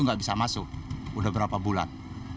nggak bisa masuk udah berapa bulan